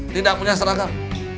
tidak punya seragam